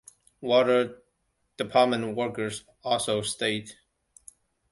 Water department workers also stayed.